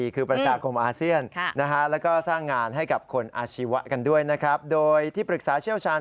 คือประชาคมอาเซียนแล้วก็สร้างงานให้กับคนอาชีวะกันด้วยนะครับโดยที่ปรึกษาเชี่ยวชาญ